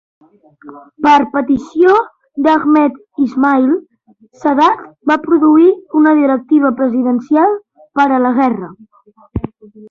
Per petició d'Ahmed Ismail, Sadat va produir una directiva presidencial per a la guerra.